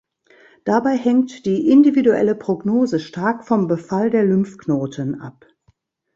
Dabei hängt die individuelle Prognose stark vom Befall der Lymphknoten ab.